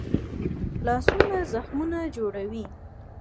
لاسونه زخمونه جوړوي